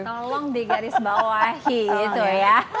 tolong di garis bawahi gitu ya